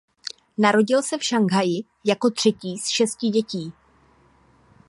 Narodil se v Šanghaji jako třetí z šesti dětí.